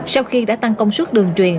sau khi đã tăng công suất đường truyền